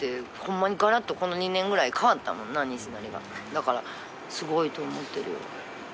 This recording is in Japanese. だからすごいと思ってるよ。